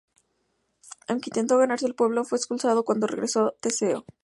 Aunque intentó ganarse al pueblo, fue expulsado cuando regresó Teseo.